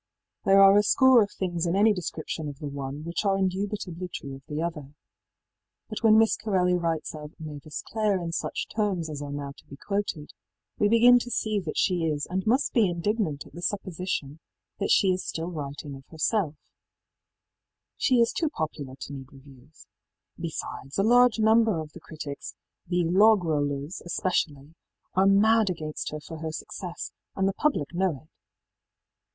There are a score of things in any description of the one which are indubitably true of the other. But when Miss Corelli writes of ëMavis Clareí in such terms as are now to be quoted we begin to see that she is and must be indignant at the supposition that she is still writing of herself: ëShe is too popular to need reviews. Besides, a large number of the critics the ìlog rollersî especially are mad against her for her success, and the public know it.